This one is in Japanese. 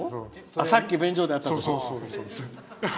さっき、便所で会ったとき？